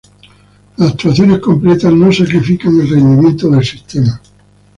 Las actualizaciones completas no sacrifican el rendimiento del sistema.